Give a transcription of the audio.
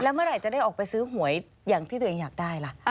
เมื่อไหร่จะได้ออกไปซื้อหวยอย่างที่ตัวเองอยากได้ล่ะ